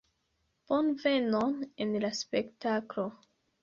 Bonvenon en la spektaklo!